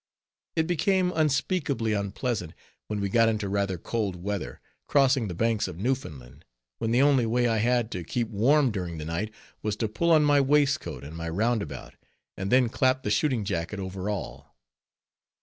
It became unspeakably unpleasant, when we got into rather cold weather, crossing the Banks of Newfoundland, when the only way I had to keep warm during the night, was to pull on my waistcoat and my roundabout, and then clap the shooting jacket over all.